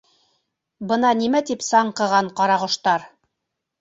Бына нимә тип саңҡыған ҡарағоштар.